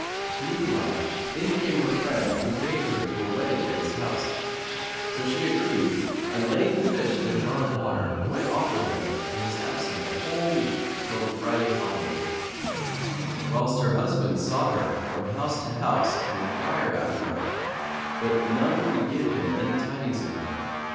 Meanwhile in came her friend who bade her to a wedding at his house; so she agreed and, laying the fish in a jar of water, went off with him and was absent a whole week till the Friday following;[FN#137] whilst her husband sought her from house to house and enquired after her; but none could give him any tidings of her.